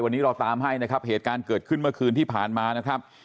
วันนี้เราตามให้นะครับเหตุการณ์เกิดขึ้นเมื่อคืนที่ผ่านมานะครับ